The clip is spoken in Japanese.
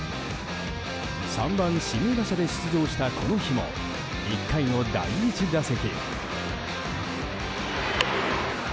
３番指名打者で出場したこの日も１回の第１打席。